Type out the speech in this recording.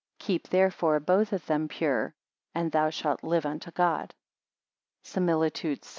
Keep therefore both of them pure, and thou shalt live unto God. SIMILITUDE VI.